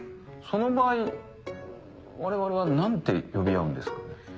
その場合我々は何て呼び合うんですかね？